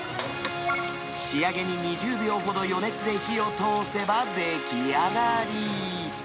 仕上げに２０秒ほど余熱で火を通せば出来上がり。